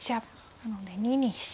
なので２二飛車で。